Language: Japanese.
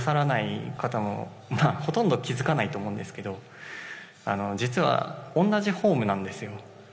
ほとんど気づかないと思うんですけど実は同じフォームなんですよ